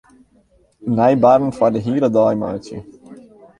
Nij barren foar de hiele dei meitsje.